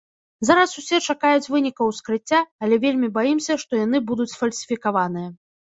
Зараз усе чакаюць вынікаў ускрыцця, але вельмі баімся, што яны будуць сфальсіфікаваныя.